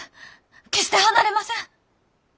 決して離れません！